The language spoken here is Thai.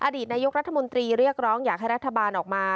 อดีตนายกรัฐมนตรีเรียกร้องอยากให้รัฐบาลออกมา